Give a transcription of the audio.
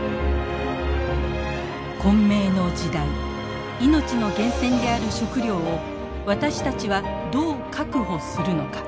混迷の時代命の源泉である食料を私たちはどう確保するのか。